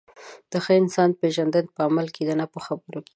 د ښه انسان پیژندنه په عمل کې کېږي، نه په خبرو.